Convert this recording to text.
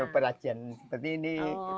perajian seperti ini